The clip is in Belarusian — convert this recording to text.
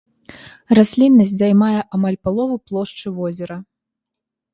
Расліннасць займае амаль палову плошчы возера.